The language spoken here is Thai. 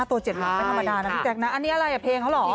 ตัว๗หลักไม่ธรรมดานะพี่แจ๊คนะอันนี้อะไรอ่ะเพลงเขาเหรอ